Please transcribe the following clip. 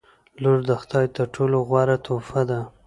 • لور د خدای تر ټولو غوره تحفه ده.